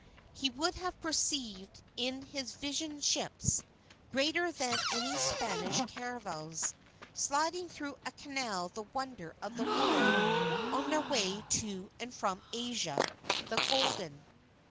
He would have perceived in his vision ships, greater than any Spanish caravels, sliding through a Canal the wonder of the world, on their way to and from Asia the Golden.